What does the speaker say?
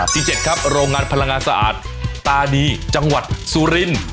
ที่๗ครับโรงงานพลังงานสะอาดตาดีจังหวัดสุรินทร์